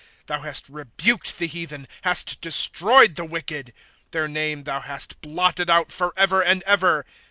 ^ Thou hast rebuked the heathen, hast destroyed the wicked • Their name thou hast blotted out forever and ever.